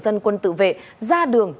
dân quân tự vệ ra đường